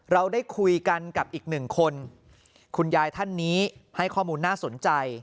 เราได้คุยกันกับอีกหนึ่งคนคุณยายท่านนี้ให้ข้อมูลน่าสนใจ